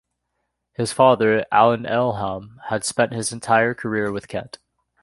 His father, Alan Ealham, had spent his entire career with Kent.